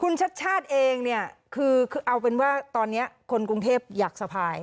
คุณชัดชาติเองเนี่ยคือเอาเป็นว่าตอนนี้คนกรุงเทพอยากสะพาย